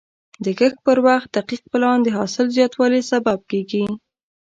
د کښت پر وخت دقیق پلان د حاصل زیاتوالي سبب کېږي.